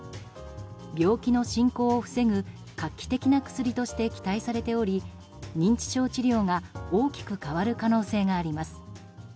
病気の進行を防ぐ画期的な薬として期待されており認知症治療が大きく変わる可能性があります。